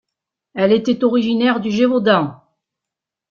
Elle était originaire du Gévaudan.